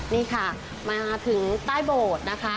นี่ค่ะมาถึงใต้โบสถ์นะคะ